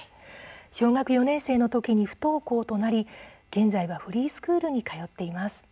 小学４年生の時に不登校となり現在はフリースクールに通っています。